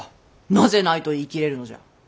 なぜないと言い切れるのじゃ。